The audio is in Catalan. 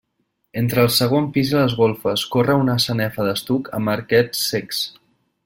Entre el segon pis i les golfes corre una sanefa d'estuc amb arquets cecs.